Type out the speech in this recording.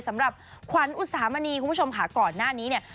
สำหรับขวัญอุสามณีคุณผู้ชมค่ะก่อนหน้านี้เนี่ย